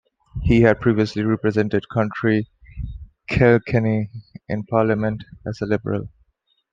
He had previously represented County Kilkenny in Parliament as a Liberal.